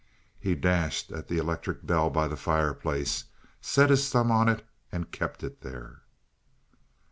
He dashed at the electric bell by the fireplace, set his thumb on it, and kept it there.